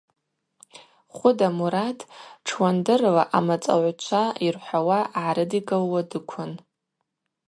Хвыда Мурат тшыуандырла амацӏаугӏвчва йырхӏвауа гӏарыдигалуа дыквын.